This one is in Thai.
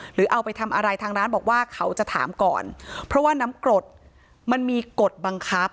หรือเอาไปทำอะไรทางร้านบอกว่าเขาจะถามก่อนเพราะว่าน้ำกรดมันมีกฎบังคับ